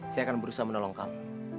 saya akan berusaha menolong kami